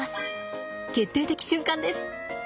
決定的瞬間です。